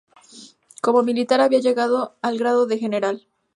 Como militar había llegado al grado de general.